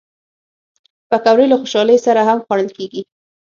پکورې له خوشحالۍ سره هم خوړل کېږي